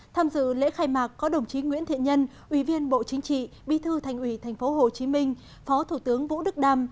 tham dự lễ khai mạc có đồng chí nguyễn thiện nhân ủy viên bộ chính trị bí thư thành ủy tp hcm phó thủ tướng vũ đức đam